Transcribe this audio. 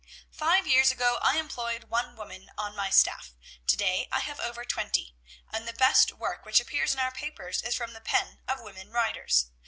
"'Five years ago I employed one woman on my staff, to day I have over twenty, and the best work which appears in our papers is from the pen of women writers.